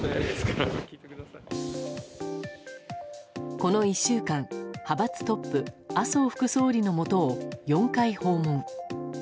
この１週間、派閥トップ麻生副総理のもとを４回訪問。